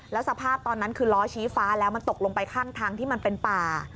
แล้วสภาพตอนนั้นคือล้อชี้ฟ้าแล้วมันตกลงไปข้างทางที่มันเป็นป่า